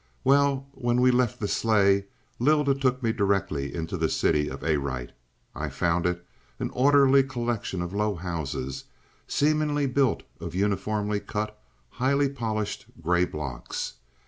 "Well, when we left the sleigh, Lylda took me directly into the city of Arite. I found it an orderly collection of low houses, seemingly built of uniformly cut, highly polished gray blocks.